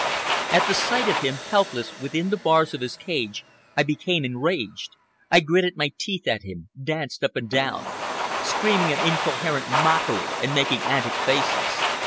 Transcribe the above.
At the sight of him, helpless, within the bars of his cage, I became enraged. I gritted my teeth at him, danced up and down, screaming an incoherent mockery and making antic faces.